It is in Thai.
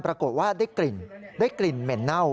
ปรากฏว่าได้กลิ่นเหม็นเน่า